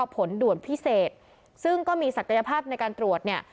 ผลด่วนพิเศษซึ่งก็มีศักยภาพในการตรวจเนี่ย